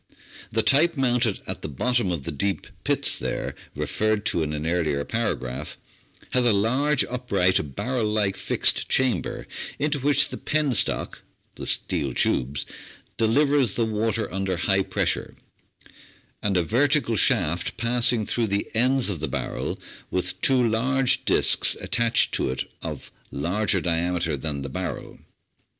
The type mounted at the bottom of the 812 The Outline of Science deep pits there, referred to in an earlier paragraph, has a large upright barrel like fixed chamber into which the penstock (steel tubes) delivers the water under high pressure; and a vertical shaft passing through the ends of the barrel, with two large disks attached to it of larger diameter than the barrel.